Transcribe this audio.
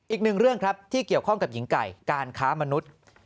อีกหนึ่งเรื่องครับที่เกี่ยวข้องกับหญิงไก่การค้ามนุษย์